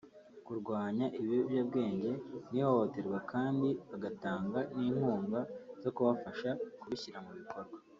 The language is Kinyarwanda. kurwanya ibiyobyabwenge n’ihohotera kandi bagatanga n’inkunga zo kubafasha kubishyira mu bikorwa